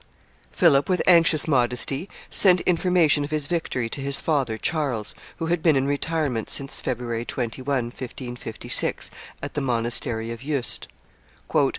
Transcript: Philip, with anxious modesty, sent information of his victory to his father, Charles, who had been in retirement since February 21, 1556, at the monastery of Yuste.